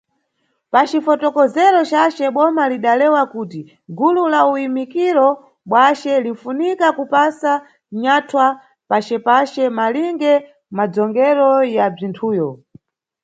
Pacifokotozero cace, Boma lidalewa kuti "gulu la uyimikiro bzwace linfunika kupasa nyathwa pacepace, malinge madzongero ya bzwinthuyo".